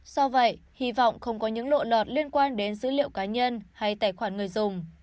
do vậy hy vọng không có những lộ lọt liên quan đến dữ liệu cá nhân hay tài khoản người dùng